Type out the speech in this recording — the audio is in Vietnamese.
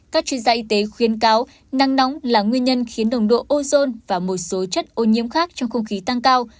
các chuyên gia y tế khuyên cáo nắng nóng là nguyên nhân khiến đồng độ ozone và một số chất ô nhiễm khác trong không khí tăng cao